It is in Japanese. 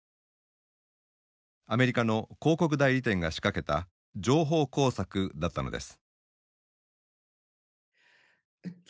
アメリカの広告代理店が仕掛けた情報工作だったのです。